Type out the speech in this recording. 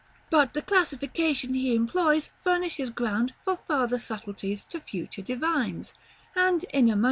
But the classification he employs furnishes ground for farther subtleties to future divines; and in a MS.